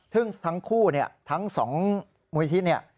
ซึ่งทั้งคู่ทั้งสองมุยธิ